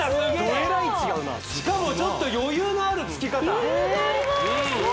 しかもちょっと余裕のあるつき方余裕があります